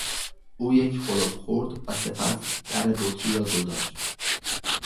او یک قلپ خورد و سپس در بطری را گذاشت.